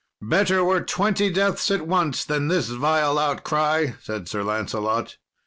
"Better were twenty deaths at once than this vile outcry," said Sir Lancelot.